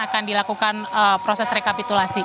akan dilakukan proses rekapitulasi